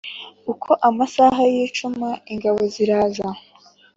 uko amasaha yicuma ingabo ziraza